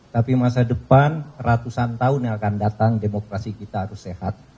tapi masa depan ratusan tahun yang akan datang demokrasi kita harus sehat